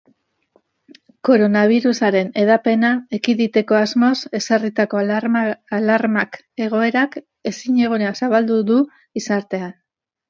Koronabirusaren hedapena ekiditeko asmoz ezarritako alarmak egoerak ezinegona zabaldu du gizartean.